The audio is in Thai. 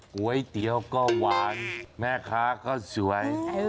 ก๋วยเตี๋ยวก็หวานแม่ค้าก็สวย